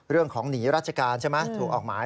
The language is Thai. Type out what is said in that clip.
เรื่องของหนีราชการใช่ไหมถูกออกหมาย